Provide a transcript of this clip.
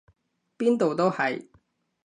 邊度都係！